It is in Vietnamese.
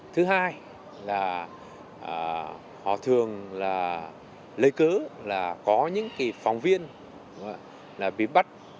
thứ hai là họ thường lấy cớ là có những phòng viên bị bắt